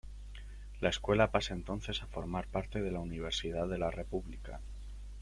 La Escuela pasa entonces a formar parte de la Universidad de la República.